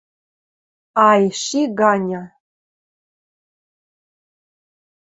Ай, ши ганьы